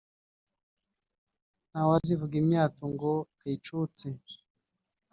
nta wazivuga imyato ngo ayicutse